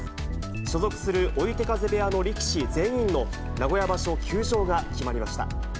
所属する追手風部屋の力士全員の名古屋場所休場が決まりました。